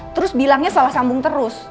terus bilangnya salah sambung terus